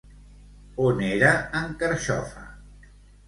On era en Carxofa?